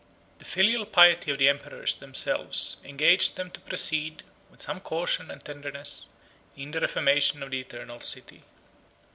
The filial piety of the emperors themselves engaged them to proceed, with some caution and tenderness, in the reformation of the eternal city.